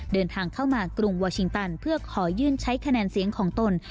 เดินทางเข้ามากรุงวอร์ชิงตันเพื่อขอยื่นใช้คะแนนเสียงของตน